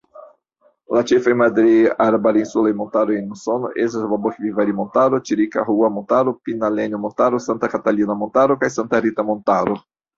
La ĉefaj madreaj-arbarinsulaj montaroj en Usono estas Babokvivari-Montaro, Ĉirikahua-Montaro, Pinalenjo-Montaro, Santa-Katalina-Montaro, kaj Santa-Rita-Montaro.